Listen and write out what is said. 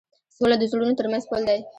سوله د زړونو تر منځ پُل دی.